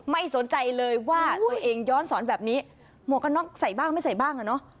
ไม่สนใจเลยว่าตัวเองย้อนสอนแบบนี้หมวกกันน็อกใส่บ้างไม่ใส่บ้างอ่ะเนอะ